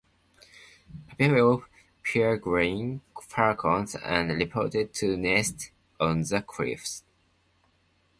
A pair of peregrine falcons are reported to nest on the cliffs.